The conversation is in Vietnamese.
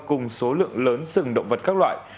cùng số lượng lớn sừng động vật các loại